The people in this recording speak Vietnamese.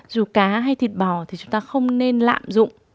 dù cá hay thịt bò thì chúng ta không nên lạm dụng